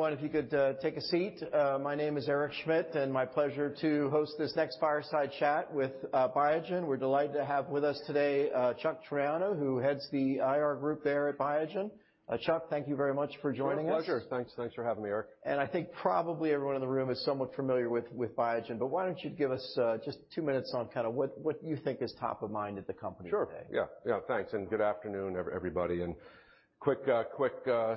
Everyone, if you could, take a seat. My name is Eric Schmidt, and my pleasure to host this next fireside chat with Biogen. We're delighted to have with us today, Chuck Triano, who heads the IR group there at Biogen. Chuck, thank you very much for joining us. My pleasure. Thanks, thanks for having me, Eric. And I think probably everyone in the room is somewhat familiar with Biogen, but why don't you give us just two minutes on kinda what you think is top of mind at the company today? Sure, yeah. Yeah, thanks, and good afternoon, everybody, and quick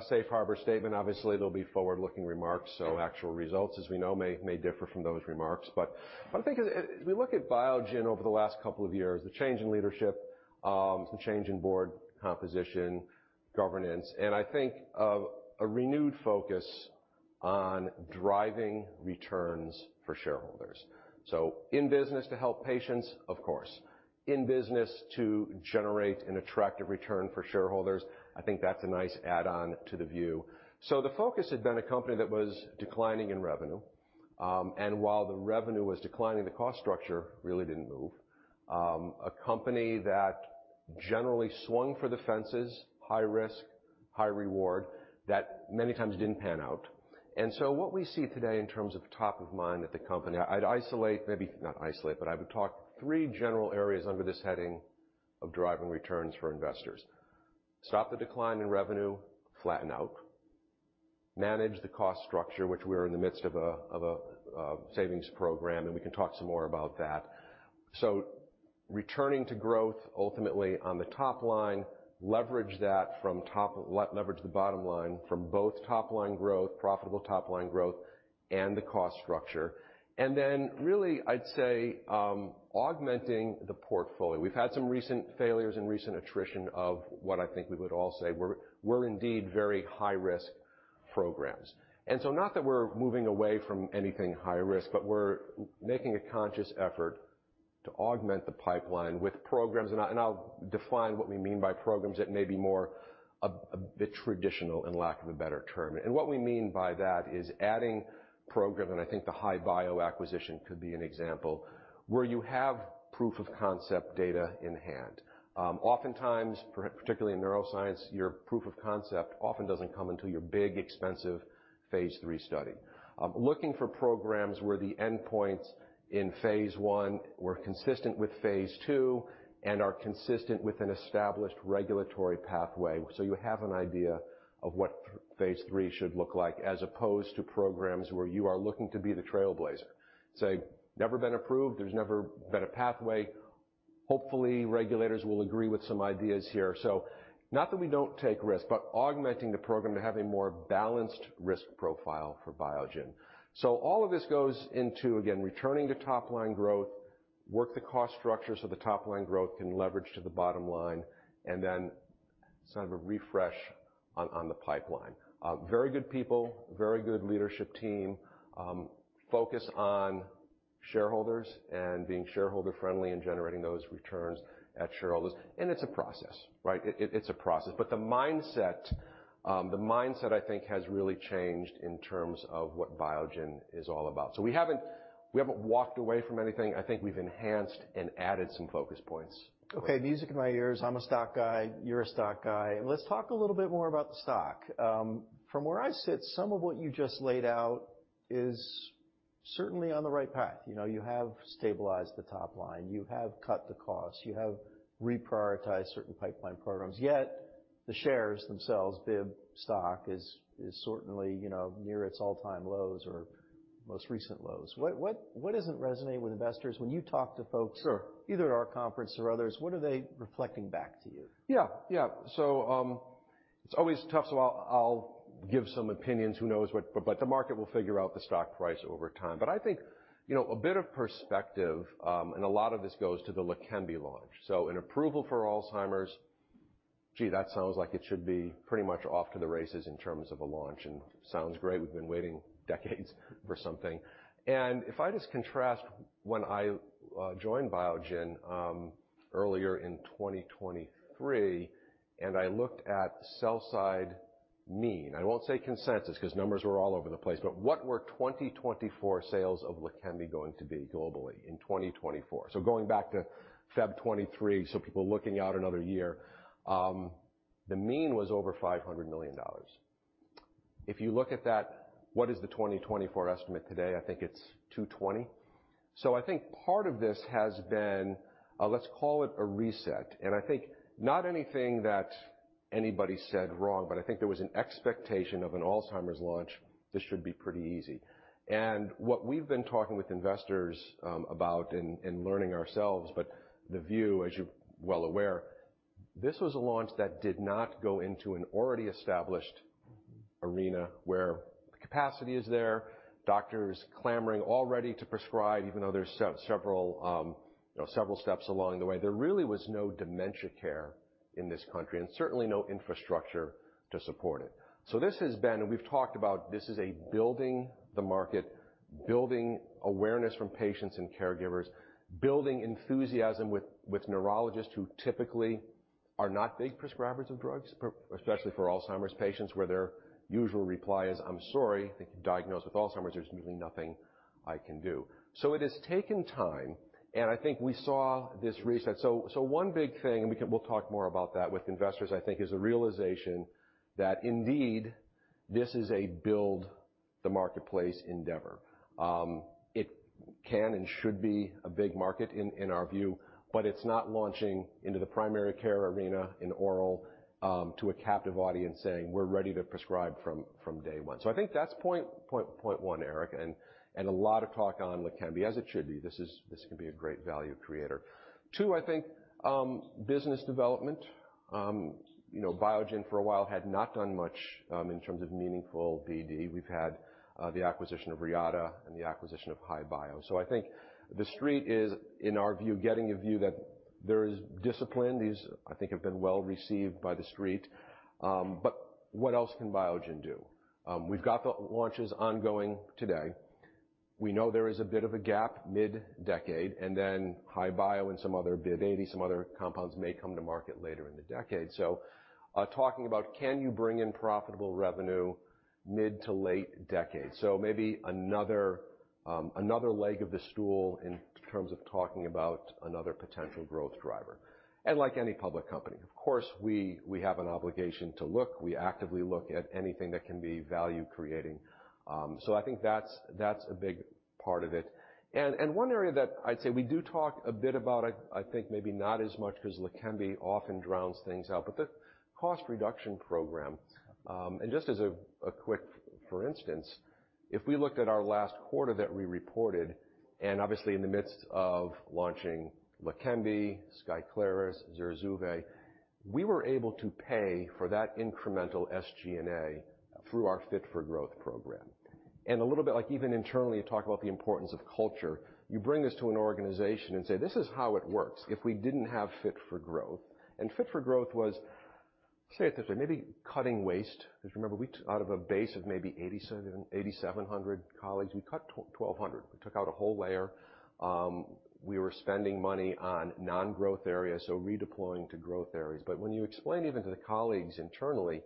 safe harbor statement. Obviously, there'll be forward-looking remarks, so actual results, as we know, may differ from those remarks, but I think as we look at Biogen over the last couple of years, the change in leadership, some change in board composition, governance, and I think of a renewed focus on driving returns for shareholders, so in business to help patients, of course. In business to generate an attractive return for shareholders, I think that's a nice add-on to the view, so the focus had been a company that was declining in revenue, and while the revenue was declining, the cost structure really didn't move. A company that generally swung for the fences, high risk, high reward, that many times didn't pan out. And so what we see today in terms of top of mind at the company, I'd isolate. Maybe not isolate, but I would talk three general areas under this heading of driving returns for investors. Stop the decline in revenue, flatten out, manage the cost structure, which we're in the midst of a savings program, and we can talk some more about that. So returning to growth, ultimately on the top line, leverage that from leverage the bottom line from both top line growth, profitable top line growth, and the cost structure. And then, really, I'd say, augmenting the portfolio. We've had some recent failures and recent attrition of what I think we would all say were indeed very high-risk programs. And so not that we're moving away from anything high risk, but we're making a conscious effort to augment the pipeline with programs. I'll define what we mean by programs that may be more a bit traditional, in lack of a better term. What we mean by that is adding program, and I think the HI-Bio acquisition could be an example, where you have proof of concept data in hand. Oftentimes, particularly in neuroscience, your proof of concept often doesn't come until your big, expensive Phase III study. Looking for programs where the endpoints in Phase I were consistent with Phase II and are consistent with an established regulatory pathway, so you have an idea of what Phase III should look like, as opposed to programs where you are looking to be the trailblazer. Say, never been approved, there's never been a pathway. Hopefully, regulators will agree with some ideas here. So not that we don't take risks, but augmenting the program to have a more balanced risk profile for Biogen. So all of this goes into, again, returning to top-line growth, work the cost structure so the top-line growth can leverage to the bottom line, and then sort of a refresh on the pipeline. Very good people, very good leadership team, focus on shareholders and being shareholder-friendly and generating those returns at shareholders. And it's a process, right? It's a process. But the mindset, I think, has really changed in terms of what Biogen is all about. So we haven't walked away from anything. I think we've enhanced and added some focus points. Okay, music in my ears. I'm a stock guy. You're a stock guy. Let's talk a little bit more about the stock. From where I sit, some of what you just laid out is certainly on the right path. You know, you have stabilized the top line, you have cut the costs, you have reprioritized certain pipeline programs, yet the shares themselves, BIIB stock, is certainly, you know, near its all-time lows or most recent lows. What doesn't resonate with investors? When you talk to folks- Sure. Either at our conference or others, what are they reflecting back to you? Yeah, yeah. So it's always tough, so I'll give some opinions. Who knows what, but the market will figure out the stock price over time. But I think, you know, a bit of perspective, and a lot of this goes to the Leqembi launch. So an approval for Alzheimer's, gee, that sounds like it should be pretty much off to the races in terms of a launch, and sounds great. We've been waiting decades for something. And if I just contrast when I joined Biogen earlier in 2023, and I looked at sell-side mean, I won't say consensus, 'cause numbers were all over the place, but what were 2024 sales of Leqembi going to be globally in 2024? So going back to February 2023, so people looking out another year, the mean was over $500 million. If you look at that, what is the 2024 estimate today? I think it's $2.20. So I think part of this has been, let's call it a reset, and I think not anything that anybody said wrong, but I think there was an expectation of an Alzheimer's launch, this should be pretty easy. And what we've been talking with investors about and learning ourselves, but the view, as you're well aware, this was a launch that did not go into an already established arena where the capacity is there, doctors clamoring already to prescribe, even though there's several, you know, steps along the way. There really was no dementia care in this country, and certainly no infrastructure to support it. So this has been... And we've talked about this is a building the market, building awareness from patients and caregivers, building enthusiasm with neurologists who typically are not big prescribers of drugs, especially for Alzheimer's patients, where their usual reply is, "I'm sorry, if you're diagnosed with Alzheimer's, there's really nothing I can do." So it has taken time, and I think we saw this reset. So one big thing, and we'll talk more about that with investors, I think, is a realization that indeed this is a building the marketplace endeavor. It can and should be a big market in our view, but it's not launching into the primary care arena in oral to a captive audience saying: We're ready to prescribe from day one. So I think that's point one, Eric, and a lot of talk on Leqembi, as it should be. This can be a great value creator. Two, I think, business development. You know, Biogen, for a while, had not done much in terms of meaningful BD. We've had the acquisition of Reata and the acquisition of HI-Bio. So I think The Street is, in our view, getting a view that there is discipline. These, I think, have been well-received by The Street. But what else can Biogen do? We've got the launches ongoing today. We know there is a bit of a gap mid-decade, and then HI-Bio and some other BD, some other compounds may come to market later in the decade. So, talking about can you bring in profitable revenue mid- to late decade? Maybe another leg of the stool in terms of talking about another potential growth driver. And like any public company, of course, we have an obligation to look. We actively look at anything that can be value creating. I think that's a big part of it. And one area that I'd say we do talk a bit about, I think maybe not as much because Leqembi often drowns things out, but the cost reduction program. And just as a quick for instance, if we looked at our last quarter that we reported, and obviously in the midst of launching Leqembi, Skyclarys, Zurzuvae, we were able to pay for that incremental SG&A through our Fit for Growth program. A little bit like even internally, you talk about the importance of culture. You bring this to an organization and say, "This is how it works." If we didn't have Fit for Growth. And Fit for Growth was, say it this way, maybe cutting waste, because remember, we, out of a base of maybe 8,700 colleagues, we cut 1,200. We took out a whole layer. We were spending money on non-growth areas, so redeploying to growth areas. But when you explain even to the colleagues internally,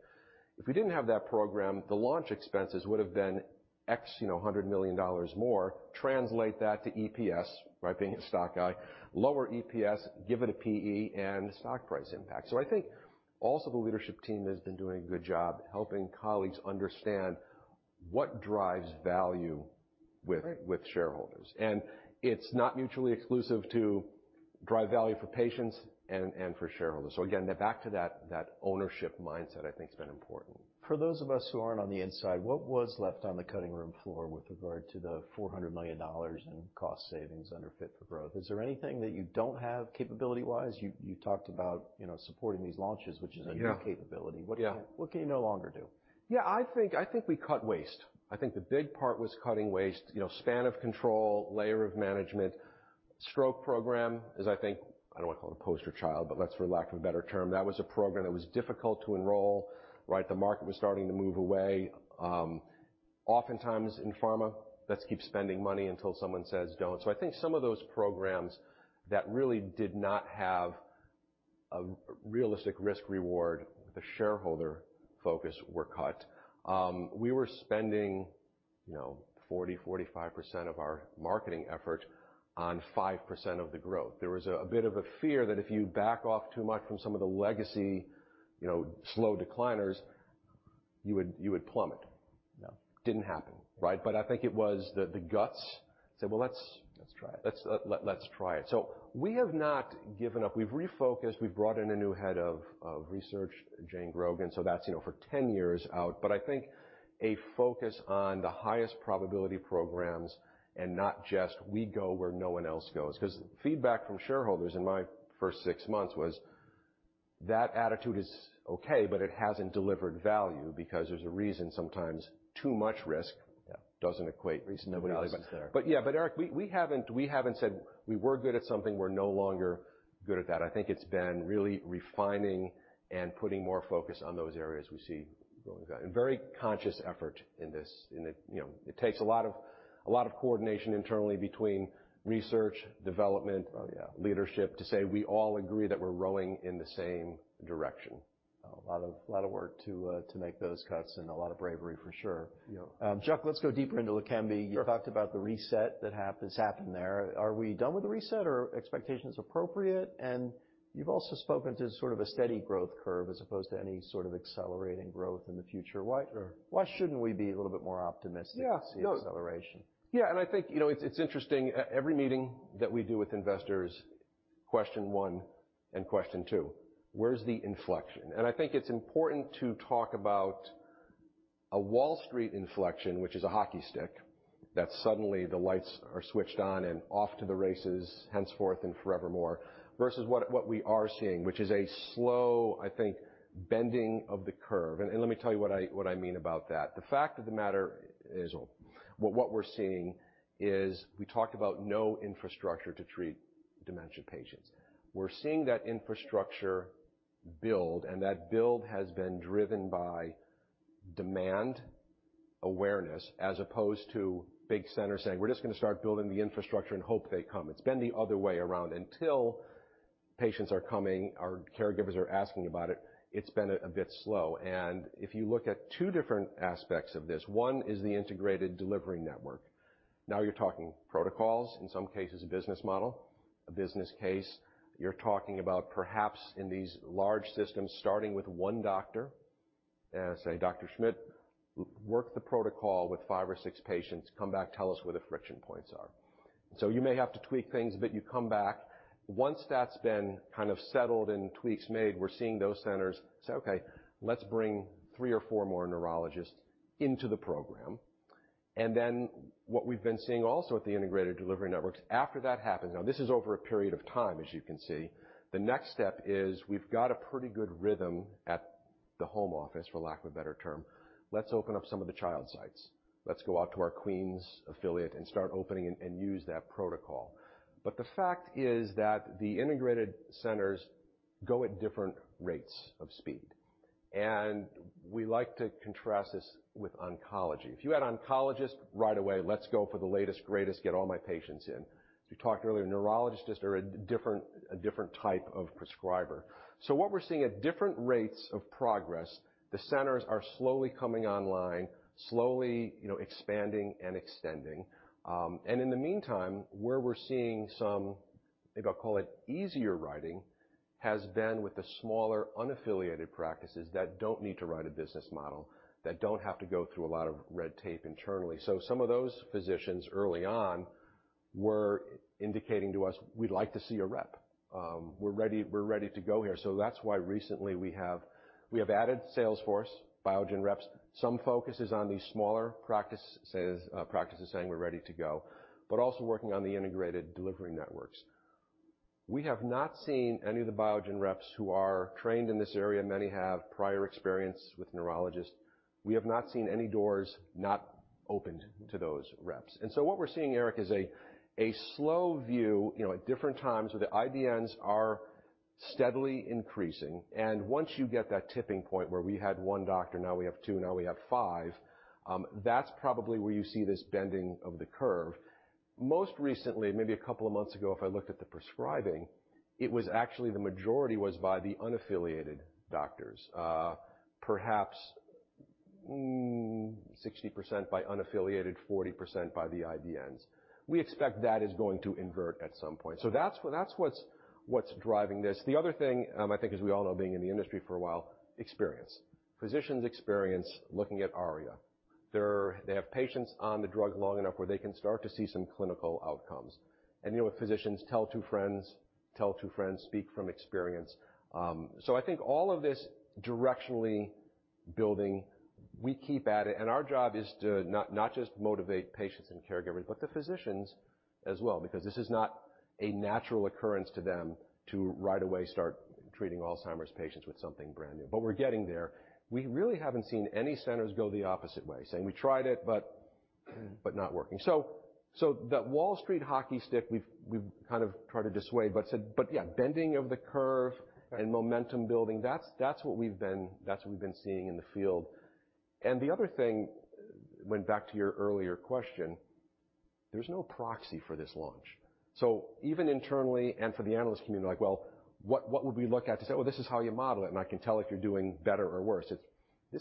if we didn't have that program, the launch expenses would have been X, you know, $100 million more. Translate that to EPS, right, being a stock guy, lower EPS, give it a P/E and stock price impact. So I think also the leadership team has been doing a good job helping colleagues understand what drives value with- Right... with shareholders. It's not mutually exclusive to drive value for patients and for shareholders. Again, back to that ownership mindset, I think, has been important. For those of us who aren't on the inside, what was left on the cutting room floor with regard to the $400 million in cost savings under Fit for Growth? Is there anything that you don't have capability-wise? You, you talked about, you know, supporting these launches, which is- Yeah... a new capability. Yeah. What can you no longer do? Yeah, I think, I think we cut waste. I think the big part was cutting waste, you know, span of control, layer of management. Stroke program is, I think, I don't want to call it a poster child, but let's for lack of a better term, that was a program that was difficult to enroll, right? The market was starting to move away. Oftentimes in pharma, let's keep spending money until someone says, "Don't." So I think some of those programs that really did not have a realistic risk-reward, the shareholder focus were cut. We were spending, you know, 40-45% of our marketing effort on 5% of the growth. There was a bit of a fear that if you back off too much from some of the legacy, you know, slow decliners, you would plummet. Yeah. Didn't happen, right? But I think it was the guts. Said, "Well, let's- Let's try it. Let's try it." So we have not given up. We've refocused. We've brought in a new head of research, Jane Grogan. So that's, you know, for ten years out. But I think a focus on the highest probability programs and not just we go where no one else goes, because feedback from shareholders in my first six months was that attitude is okay, but it hasn't delivered value, because there's a reason sometimes too much risk- Yeah... doesn't equate- Reason nobody else is there. But yeah, Eric, we haven't said we were good at something, we're no longer good at that. I think it's been really refining and putting more focus on those areas we see going back. A very conscious effort in this, and you know, it takes a lot of coordination internally between research, development. Oh, yeah... leadership to say, we all agree that we're rowing in the same direction. A lot of work to make those cuts, and a lot of bravery, for sure. Yeah. Chuck, let's go deeper into Leqembi. Sure. You talked about the reset that has happened there. Are we done with the reset, or are expectations appropriate? And you've also spoken to sort of a steady growth curve as opposed to any sort of accelerating growth in the future. Sure. Why, why shouldn't we be a little bit more optimistic? Yeah... to see acceleration? Yeah, and I think, you know, it's interesting. Every meeting that we do with investors, question one and question two: Where's the inflection? And I think it's important to talk about a Wall Street inflection, which is a hockey stick, that suddenly the lights are switched on and off to the races, henceforth and forevermore, versus what we are seeing, which is a slow, I think, bending of the curve. And let me tell you what I mean about that. The fact of the matter is, what we're seeing is we talked about no infrastructure to treat dementia patients. We're seeing that infrastructure build, and that build has been driven by demand, awareness, as opposed to big centers saying: We're just gonna start building the infrastructure and hope they come. It's been the other way around. Until patients are coming, or caregivers are asking about it, it's been a bit slow, and if you look at two different aspects of this, one is the integrated delivery network. Now you're talking protocols, in some cases, a business model, a business case. You're talking about perhaps in these large systems, starting with one doctor, and say, "Dr. Schmidt, work the protocol with five or six patients. Come back, tell us where the friction points are." So you may have to tweak things, but you come back. Once that's been kind of settled and tweaks made, we're seeing those centers say, "Okay, let's bring three or four more neurologists into the program," and then what we've been seeing also at the integrated delivery networks, after that happens, now this is over a period of time, as you can see, the next step is we've got a pretty good rhythm at the home office, for lack of a better term. Let's open up some of the trial sites. Let's go out to our Queens affiliate and start opening and, and use that protocol, but the fact is that the integrated centers go at different rates of speed, and we like to contrast this with oncology. If you had oncologist right away, let's go for the latest, greatest, get all my patients in. We talked earlier, neurologists just are a different, a different type of prescriber. So what we're seeing at different rates of progress, the centers are slowly coming online, slowly, you know, expanding and extending. And in the meantime, where we're seeing some, maybe I'll call it easier writing, has been with the smaller, unaffiliated practices that don't need to write a business model, that don't have to go through a lot of red tape internally. Some of those physicians early on were indicating to us, "We'd like to see a rep. We're ready, we're ready to go here." That's why recently we have added sales force, Biogen reps. Some focus is on these smaller practices saying, "We're ready to go," but also working on the integrated delivery networks. We have seen many of the Biogen reps who are trained in this area. Many have prior experience with neurologists. We have not seen any doors not opened to those reps. And so what we're seeing, Eric, is a slow view, you know, at different times, where the IDNs are steadily increasing. And once you get that tipping point where we had one doctor, now we have two, now we have five, that's probably where you see this bending of the curve. Most recently, maybe a couple of months ago, if I looked at the prescribing, it was actually the majority was by the unaffiliated doctors. Perhaps, 60% by unaffiliated, 40% by the IDNs. We expect that is going to invert at some point. So that's what's driving this. The other thing, I think, as we all know, being in the industry for a while, experience. Physicians' experience looking at ARIA. They have patients on the drug long enough where they can start to see some clinical outcomes. And you know what? Physicians tell two friends, tell two friends, speak from experience. So I think all of this directionally building, we keep at it. And our job is to not just motivate patients and caregivers, but the physicians as well, because this is not a natural occurrence to them to right away start treating Alzheimer's patients with something brand new. But we're getting there. We really haven't seen any centers go the opposite way, saying, "We tried it, but not working." So that Wall Street hockey stick, we've kind of tried to dissuade, but said, but yeah, bending of the curve and momentum building, that's what we've been seeing in the field. The other thing, going back to your earlier question, there's no proxy for this launch. So even internally, and for the analyst community, like, well, what would we look at to say, "Well, this is how you model it, and I can tell if you're doing better or worse?" It's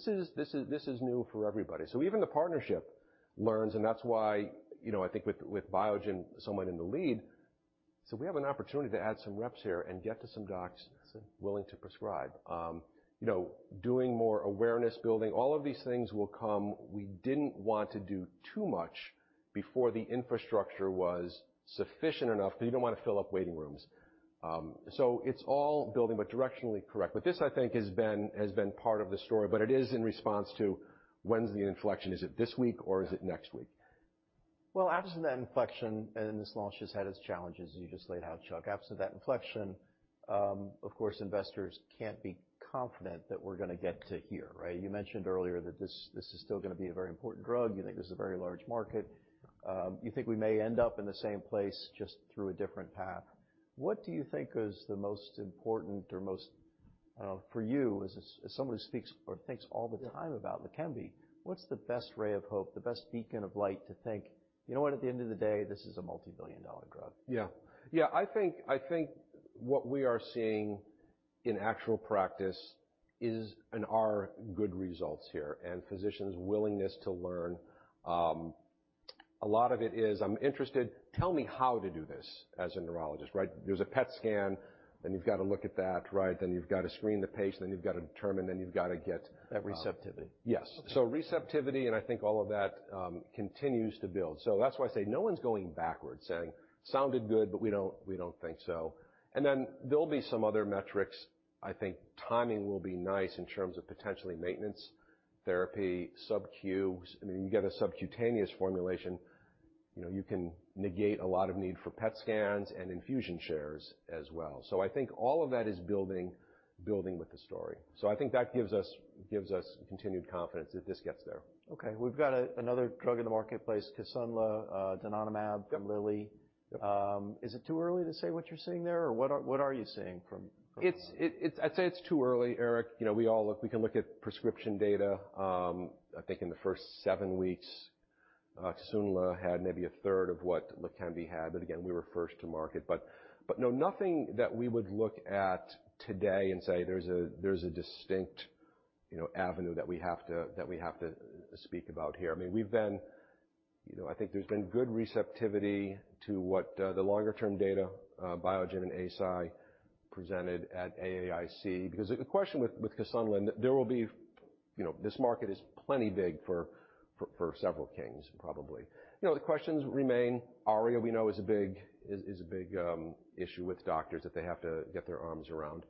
this is new for everybody. So even the partnership learns, and that's why, you know, I think with Biogen somewhat in the lead, so we have an opportunity to add some reps here and get to some docs willing to prescribe. You know, doing more awareness building, all of these things will come. We didn't want to do too much before the infrastructure was sufficient enough, but you don't want to fill up waiting rooms. So it's all building, but directionally correct. But this, I think, has been part of the story, but it is in response to when's the inflection? Is it this week or is it next week? Well, after that inflection, and this launch has had its challenges, as you just laid out, Chuck, after that inflection, of course, investors can't be confident that we're gonna get to here, right? You mentioned earlier that this is still gonna be a very important drug. You think this is a very large market. You think we may end up in the same place, just through a different path. What do you think is the most important or most for you, as someone who speaks or thinks all the time about Leqembi, what's the best ray of hope, the best beacon of light to think, "You know what, at the end of the day, this is a multibillion-dollar drug? Yeah. Yeah, I think what we are seeing in actual practice is and are good results here, and physicians' willingness to learn. A lot of it is, I'm interested, tell me how to do this as a neurologist, right? There's a PET scan, then you've got to look at that, right? Then you've got to screen the patient, then you've got to determine, then you've got to get- That receptivity. Yes. Okay. So receptivity, and I think all of that continues to build. So that's why I say no one's going backwards, saying, "Sounded good, but we don't, we don't think so." And then there'll be some other metrics. I think timing will be nice in terms of potentially maintenance therapy, sub-Q. I mean, you get a subcutaneous formulation, you know, you can negate a lot of need for PET scans and infusion chairs as well. So I think all of that is building, building with the story. So I think that gives us, gives us continued confidence that this gets there. Okay, we've got another drug in the marketplace, Kisunla, donanemab from Lilly. Yep. Is it too early to say what you're seeing there, or what are you seeing from? It's too early, Eric. You know, we all look, we can look at prescription data. I think in the first seven weeks, Kisunla had maybe a third of what Leqembi had, but again, we were first to market. But no, nothing that we would look at today and say there's a distinct you know, avenue that we have to speak about here. I mean, we've been, you know, I think there's been good receptivity to what the longer-term data Biogen and Eisai presented at AAIC, because the question with Kisunla, there will be, you know, this market is plenty big for several things, probably. You know, the questions remain. ARIA, we know is a big issue with doctors that they have to get their arms around.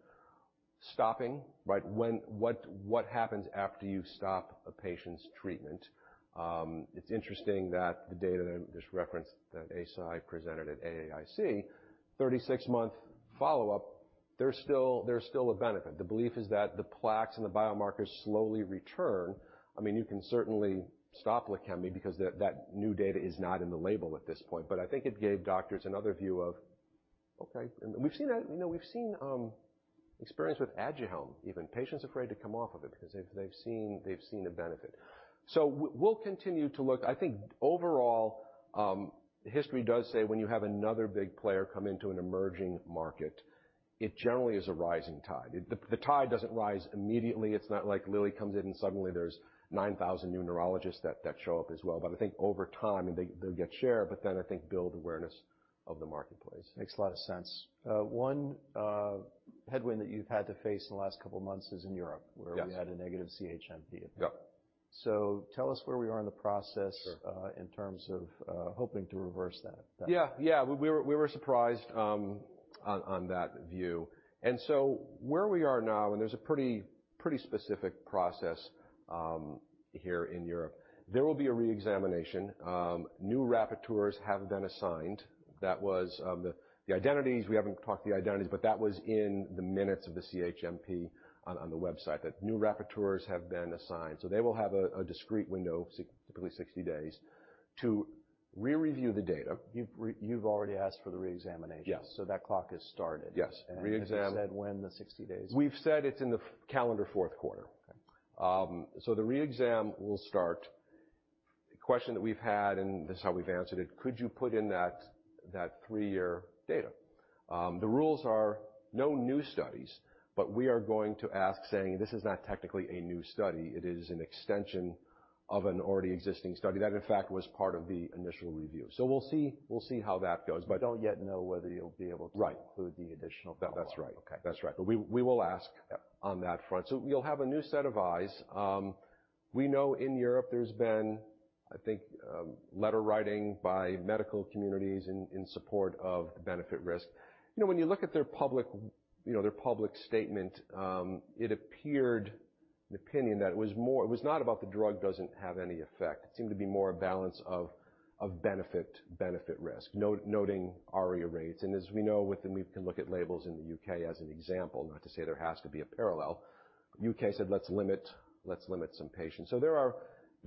Stopping, right? When what happens after you stop a patient's treatment? It's interesting that the data that just referenced, that Eisai presented at AAIC, thirty-six month follow-up, there's still a benefit. The belief is that the plaques and the biomarkers slowly return. I mean, you can certainly stop Leqembi because that new data is not in the label at this point, but I think it gave doctors another view of okay, and we've seen that, you know, we've seen experience with Agenerase, even patients afraid to come off of it because they've seen a benefit. So we'll continue to look. I think overall, history does say when you have another big player come into an emerging market, it generally is a rising tide. The tide doesn't rise immediately. It's not like Lilly comes in, and suddenly there's nine thousand new neurologists that show up as well. But I think over time, and they, they'll get share, but then I think build awareness of the marketplace. Makes a lot of sense. One headwind that you've had to face in the last couple of months is in Europe. Yes. where we had a negative CHMP event. Yep. So tell us where we are in the process? Sure. in terms of hoping to reverse that. Yeah. Yeah. We were surprised on that view. And so where we are now, and there's a pretty specific process here in Europe. There will be a reexamination. New rapporteurs have been assigned. That was the identities, we haven't talked the identities, but that was in the minutes of the CHMP on the website, that new rapporteurs have been assigned. So they will have a discrete window, typically 60 days, to re-review the data. You've already asked for the reexamination? Yes. That clock is started. Yes. Re-exam- And you said when the sixty days? We've said it's in the fiscal calendar Q4. Okay. So the re-exam will start. The question that we've had, and this is how we've answered it: Could you put in that three-year data? The rules are no new studies, but we are going to ask, saying, this is not technically a new study. It is an extension of an already existing study that, in fact, was part of the initial review. So we'll see. We'll see how that goes, but- You don't yet know whether you'll be able to- Right. Include the additional follow-up. That's right. Okay. That's right. But we will ask- Yep. -on that front. So we'll have a new set of eyes. We know in Europe there's been, I think, letter writing by medical communities in support of the benefit risk. You know, when you look at their public, you know, their public statement, it appeared, in opinion, that it was more. It was not about the drug doesn't have any effect. It seemed to be more a balance of benefit-risk, noting ARIA rates. And as we know, we can look at labels in the UK as an example, not to say there has to be a parallel. UK said, "Let's limit some patients." So there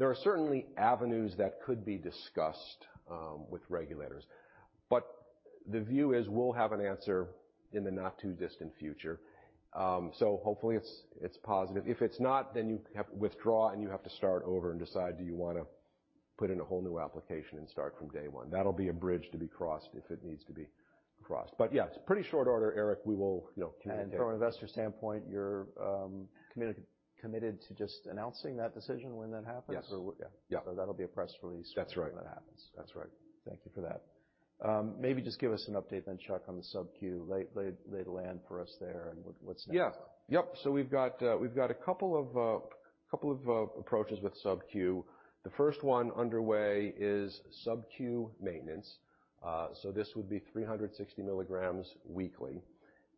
are certainly avenues that could be discussed with regulators. But the view is we'll have an answer in the not-too-distant future. So hopefully, it's positive. If it's not, then you have to withdraw, and you have to start over and decide: Do you wanna put in a whole new application and start from day one? That'll be a bridge to be crossed if it needs to be crossed. But yeah, it's pretty short order, Eric. We will, you know, communicate. From an investor standpoint, you're committed to just announcing that decision when that happens? Yes. Or yeah. Yeah. So that'll be a press release- That's right. when that happens. That's right. Thank you for that. Maybe just give us an update then, Chuck, on the sub-Q. Lay of the land for us there, and what's next? So we've got a couple of approaches with subq. The first one underway is subq maintenance. So this would be 360 milligrams weekly,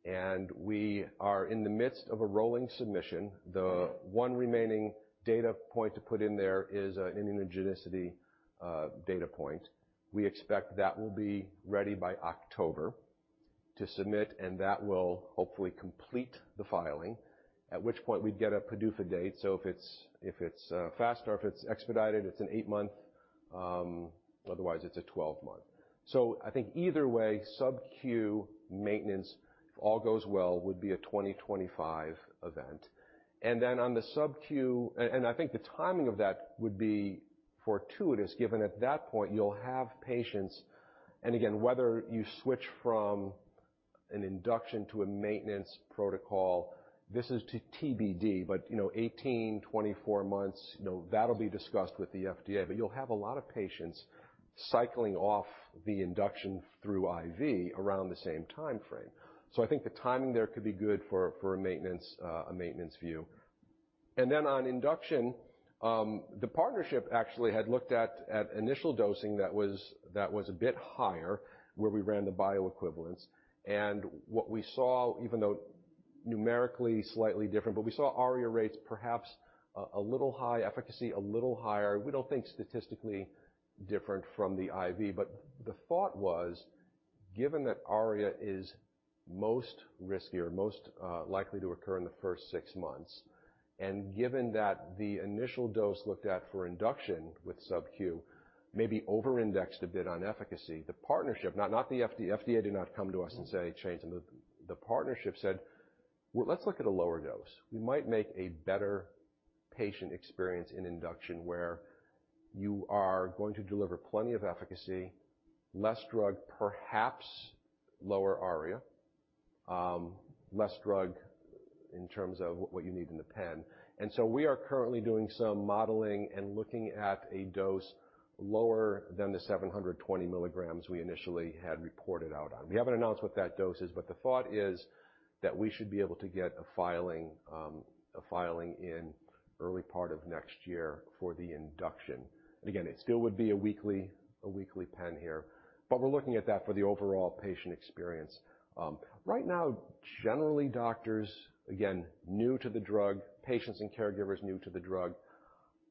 and we are in the midst of a rolling submission. The one remaining data point to put in there is an immunogenicity data point. We expect that will be ready by October to submit, and that will hopefully complete the filing, at which point we'd get a PDUFA date. So if it's faster, or if it's expedited, it's an 8-month, otherwise it's a 12-month. So I think either way, subq maintenance, if all goes well, would be a 2025 event. And then on the subq... I think the timing of that would be fortuitous, given at that point, you'll have patients, and again, whether you switch from an induction to a maintenance protocol, this is to TBD, but, you know, eighteen, twenty-four months, you know, that'll be discussed with the FDA. But you'll have a lot of patients cycling off the induction through IV around the same timeframe. So I think the timing there could be good for a maintenance view. And then on induction, the partnership actually had looked at initial dosing that was a bit higher, where we ran the bioequivalence. And what we saw, even though numerically slightly different, but we saw ARIA rates, perhaps a little high, efficacy a little higher. We don't think statistically different from the IV, but the thought was, given that ARIA is most risky or most likely to occur in the first six months, and given that the initial dose looked at for induction with subq may be over-indexed a bit on efficacy, the partnership, not the FDA did not come to us and say, "Change," the partnership said, "Well, let's look at a lower dose. We might make a better patient experience in induction where you are going to deliver plenty of efficacy, less drug, perhaps lower ARIA, less drug in terms of what you need in the pen. And so we are currently doing some modeling and looking at a dose lower than the 720 milligrams we initially had reported out on. We haven't announced what that dose is, but the thought is that we should be able to get a filing in early part of next year for the induction. And again, it still would be a weekly pen here, but we're looking at that for the overall patient experience. Right now, generally, doctors, again, new to the drug, patients and caregivers new to the drug,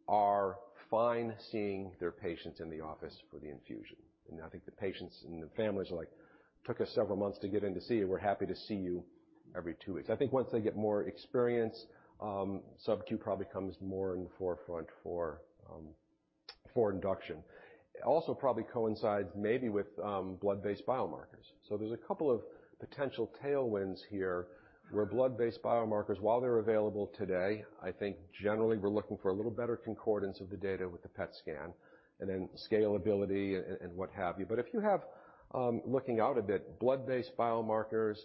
are fine seeing their patients in the office for the infusion. And I think the patients and the families are like, "Took us several months to get in to see you. We're happy to see you every two weeks." I think once they get more experience, sub-Q probably comes more in the forefront for induction. Also, probably coincides maybe with blood-based biomarkers. So there's a couple of potential tailwinds here, where blood-based biomarkers, while they're available today, I think generally we're looking for a little better concordance of the data with the PET scan and then scalability and what have you. But if you have looking out a bit, blood-based biomarkers,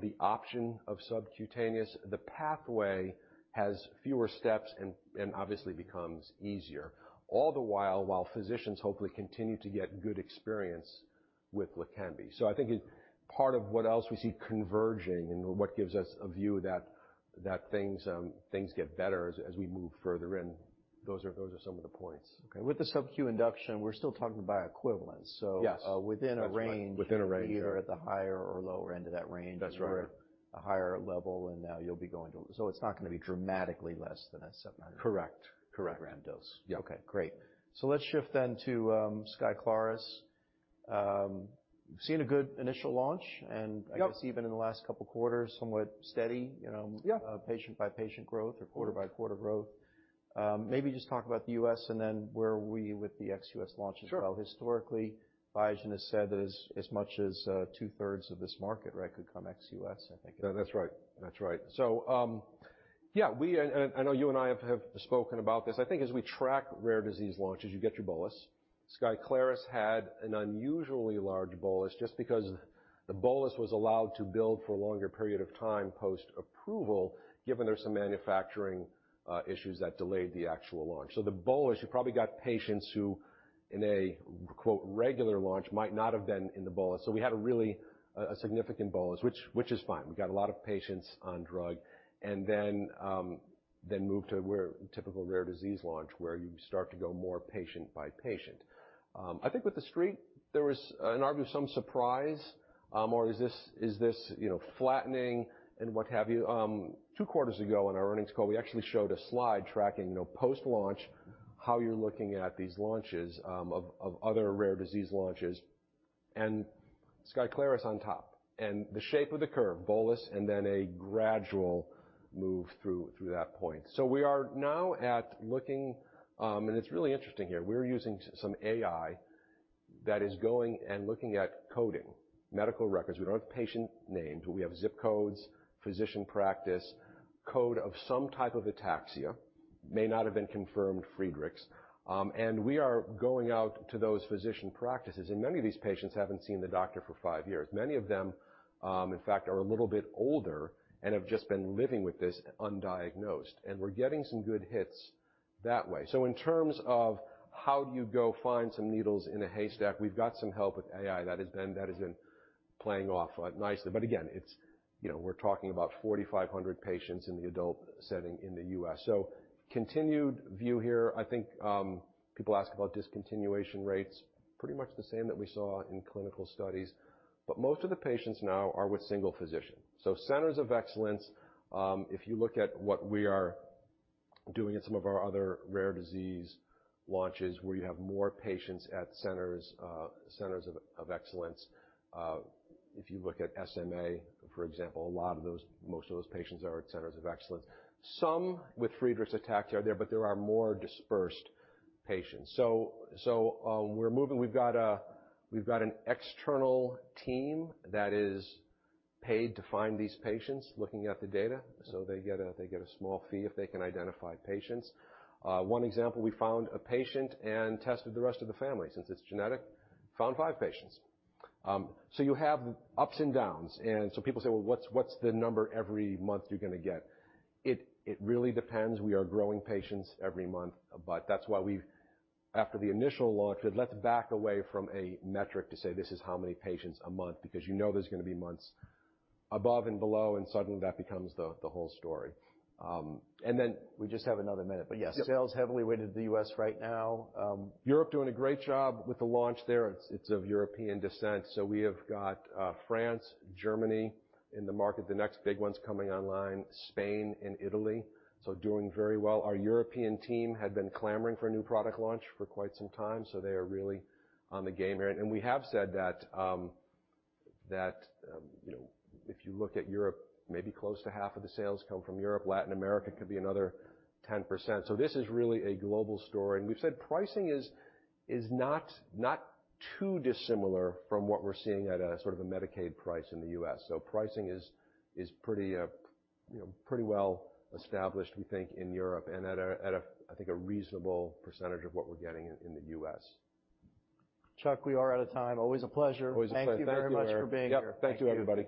the option of subcutaneous, the pathway has fewer steps and obviously becomes easier, all the while while physicians hopefully continue to get good experience with Leqembi. So I think it's part of what else we see converging and what gives us a view that things get better as we move further in. Those are some of the points. Okay. With the sub-Q induction, we're still talking about equivalence? Yes. So, within a range- Within a range. You're at the higher or lower end of that range. That's right. You're at a higher level, and now you'll be going to... So it's not gonna be dramatically less than a seven hundred- Correct. Correct. Gram dose. Yeah. Okay, great. So let's shift then to Skyclarys. Seeing a good initial launch, and- Yep... I guess even in the last couple quarters, somewhat steady, you know- Yeah... patient-by-patient growth or quarter-by-quarter growth. Maybe just talk about the U.S. and then where are we with the ex-U.S. launch as well. Sure. Historically, Biogen has said that as much as two-thirds of this market, right, could come ex-US, I think. That's right. That's right. So, yeah, we and I know you and I have spoken about this. I think as we track rare disease launches, you get your bolus. Skyclarys had an unusually large bolus just because the bolus was allowed to build for a longer period of time post-approval, given there were some manufacturing issues that delayed the actual launch. So the bolus, you probably got patients who, in a quote, "regular launch," might not have been in the bolus. So we had a really significant bolus, which is fine. We got a lot of patients on drug and then moved to where typical rare disease launch, where you start to go more patient by patient. I think with the Street, there was arguably some surprise, or is this, you know, flattening and what have you? Two quarters ago, on our earnings call, we actually showed a slide tracking, you know, post-launch, how you're looking at these launches of other rare disease launches, and Skyclarys on top. And the shape of the curve, bolus and then a gradual move through that point. So we are now at looking. And it's really interesting here. We're using some AI that is going and looking at coding, medical records. We don't have patient names, but we have zip codes, physician practice, code of some type of ataxia, may not have been confirmed Friedreich's, and we are going out to those physician practices, and many of these patients haven't seen the doctor for five years. Many of them, in fact, are a little bit older and have just been living with this undiagnosed, and we're getting some good hits that way. So in terms of how do you go find some needles in a haystack, we've got some help with AI that has been playing off nicely. But again, it's, you know, we're talking about 4,500 patients in the adult setting in the US. So continued view here, I think, people ask about discontinuation rates, pretty much the same that we saw in clinical studies, but most of the patients now are with single physician. So centers of excellence, if you look at what we are doing in some of our other rare disease launches, where you have more patients at centers, centers of excellence, if you look at SMA, for example, most of those patients are at centers of excellence. Some with Friedreich's ataxia are there, but there are more dispersed patients. So, we're moving. We've got an external team that is paid to find these patients, looking at the data, so they get a small fee if they can identify patients. One example, we found a patient and tested the rest of the family. Since it's genetic, found five patients. So you have ups and downs, and so people say, "Well, what's the number every month you're gonna get?" It really depends. We are growing patients every month, but that's why we've. After the initial launch, we said, "Let's back away from a metric to say this is how many patients a month," because you know there's gonna be months above and below, and suddenly that becomes the whole story. And then- We just have another minute, but yes. Yep. Sales heavily weighted to the U.S. right now. Europe doing a great job with the launch there. It's of European descent, so we have got France, Germany in the market. The next big ones coming online, Spain and Italy, so doing very well. Our European team had been clamoring for a new product launch for quite some time, so they are really on the game here. We have said that you know, if you look at Europe, maybe close to half of the sales come from Europe. Latin America could be another 10%. So this is really a global story, and we've said pricing is not too dissimilar from what we're seeing at a sort of a Medicaid price in the US. So pricing is pretty, you know, pretty well established, we think, in Europe and at a, I think, a reasonable percentage of what we're getting in the US. Chuck, we are out of time. Always a pleasure. Always a pleasure. Thank you very much for being here. Yep. Thank you, everybody.